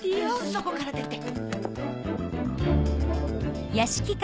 そこから出て！